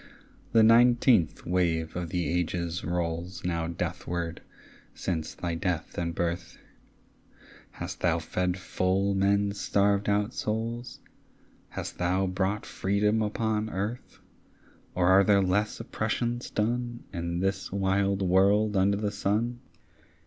The nineteenth wave of the ages rolls Now deathward since thy death and birth. Hast thou fed full men's starved out souls? Hast thou brought freedom upon earth? Or are there less oppressions done In this wild world under the sun?